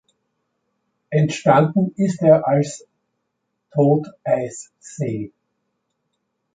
Entstanden ist er als Toteissee.